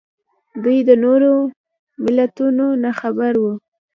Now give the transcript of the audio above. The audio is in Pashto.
دوی د نورو ملتونو نه خبر وو